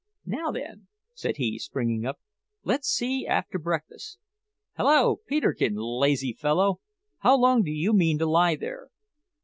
"Now, then," said he, springing up, "let's see after breakfast. Hallo, Peterkin, lazy fellow! how long do you mean to lie there?"